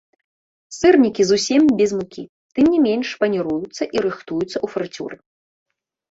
Сырнікі зусім без мукі, тым не менш, паніруюцца і рыхтуюцца ў фрыцюры.